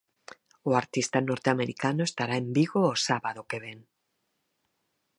O artista norteamericano estará en Vigo o sábado que vén.